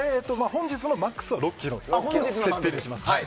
本日のマックスは６キロにします。